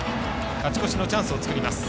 勝ち越しのチャンスを作ります。